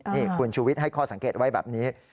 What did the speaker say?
นี่คุณชูวิทย์ให้ข้อสังเกตไว้แบบนี้